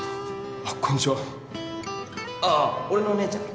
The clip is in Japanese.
ああ俺の姉ちゃん。